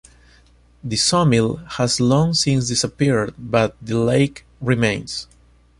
The sawmill has long since disappeared but the lake remains.